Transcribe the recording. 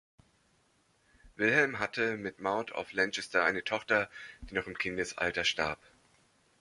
Wilhelm hatte mit Maud of Lancaster eine Tochter, die noch im Kindesalter starb.